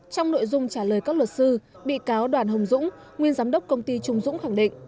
trong nội dung trả lời các luật sư bị cáo đoàn hồng dũng nguyên giám đốc công ty trung dũng khẳng định